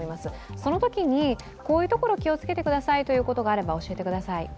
そのときにこういうところに気をつけてくださいということがあれば教えてください。